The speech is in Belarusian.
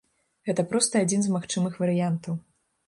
Гэта проста адзін з магчымых варыянтаў.